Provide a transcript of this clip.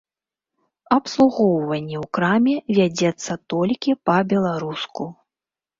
Абслугоўванне ў краме вядзецца толькі па-беларуску.